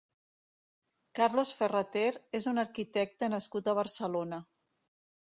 Carlos Ferrater és un arquitecte nascut a Barcelona.